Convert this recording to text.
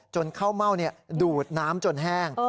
ข้าวเม่าดูดน้ำจนแห้ง